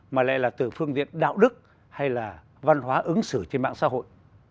mà lại là từ phương diện đạo đức hay là văn hóa ứng xử trên mạng xã hội